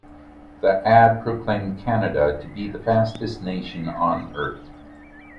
The ad proclaimed Canada to be the fastest nation on earth.